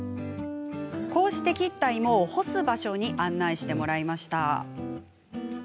こうして切った芋を干す場所に案内してもらいました。